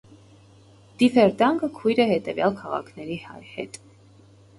Դիֆերդանգը քույր է հետևյալ քաղաքների հետ։